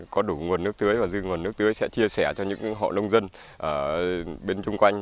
có đủ nguồn nước tưới và dư nguồn nước tưới sẽ chia sẻ cho những hộ nông dân bên chung quanh